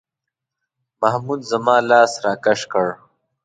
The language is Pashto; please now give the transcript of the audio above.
محمود زما لاس راکش کړ.